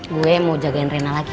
gue mau jagain rena lagi